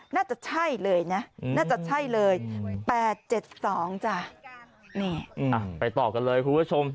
น่าจะใช่เลยนะน่าจะใช่เลย๘๗๒จ้ะนี่ไปต่อกันเลยคุณผู้ชม